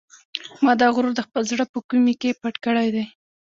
ما دا غرور د خپل زړه په کومې کې پټ کړی دی.